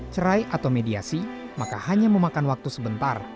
cerai atau mediasi maka hanya memakan waktu sebentar